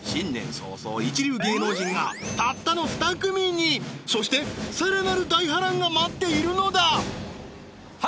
早々一流芸能人がたったの２組にそしてさらなる大波乱が待っているのだは